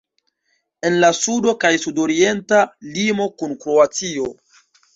En la sudo kaj sudorienta limo kun Kroatio.